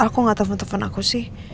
mas aku nggak telepon telepon aku sih